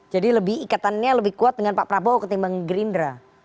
jadi lebih ikatannya lebih kuat dengan pak prabowo ketimbang gerindra